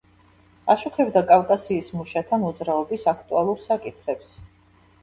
აშუქებდა კავკასიის მუშათა მოძრაობის აქტუალურ საკითხებს.